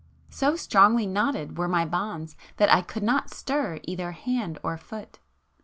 So strongly knotted were my bonds that I could not stir either hand or foot